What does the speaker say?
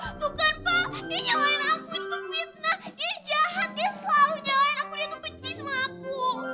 dia jahat dia selalu nyalahin aku dia itu benci sama aku